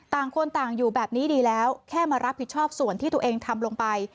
ต่างคนต่างอยู่แบบนี้ดีแล้วแค่มารับผิดชอบส่วนที่ตัวเองทำลงไป